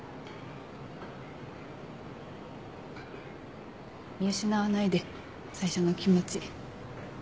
見失わないで最初の気持ち。